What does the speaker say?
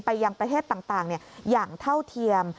ยังประเทศต่างอย่างเท่าเทียม